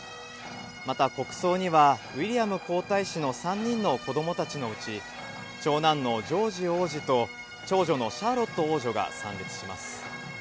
また国葬には、ウィリアム皇太子の３人の子どもたちのうち、長男のジョージ王子と長女のシャーロット王女が参列します。